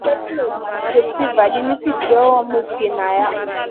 Jopsiy vaɗi, nisi johʼo musgi nala.